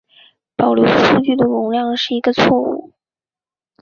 保留数据的容量是一个错误。